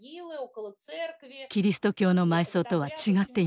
キリスト教の埋葬とは違っていました。